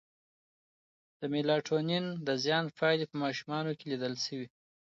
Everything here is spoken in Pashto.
د میلاټونین د زیان پایلې په ماشومانو کې لیدل شوې.